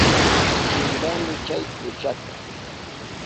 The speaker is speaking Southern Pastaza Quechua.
Chimpani chay kuchata.